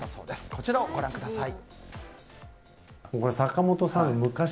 こちらをご覧ください。